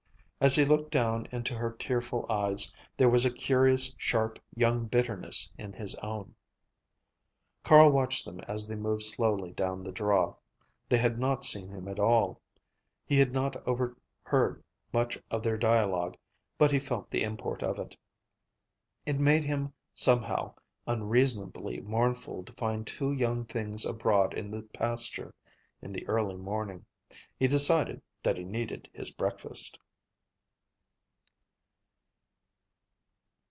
As he looked down into her tearful eyes, there was a curious, sharp young bitterness in his own. Carl watched them as they moved slowly down the draw. They had not seen him at all. He had not overheard much of their dialogue, but he felt the import of it. It made him, somehow, unreasonably mournful to find two young things abroad in the pasture in the early morning. He decided that he needed his breakfast.